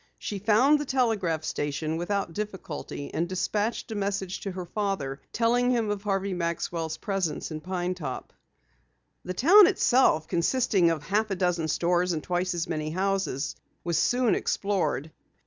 She found the telegraph station without difficulty and dispatched a message to her father, telling him of Harvey Maxwell's presence in Pine Top. The town itself, consisting of half a dozen stores and twice as many houses, was soon explored.